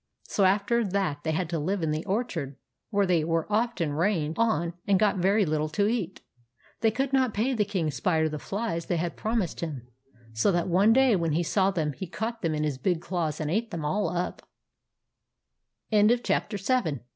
So after that they had to live in the orchard, where they were often rained ii4 THE ADVENTURES OF MABEL on, and got very little to eat. They could not pay the King Spider the flies they had promised him ; so that one day when he saw them he caught them in his big claws and ate th